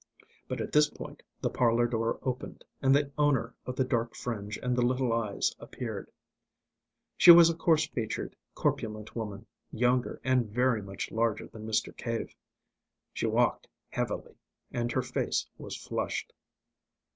But at this point the parlour door opened, and the owner of the dark fringe and the little eyes appeared. She was a coarse featured, corpulent woman, younger and very much larger than Mr. Cave; she walked heavily, and her face was flushed.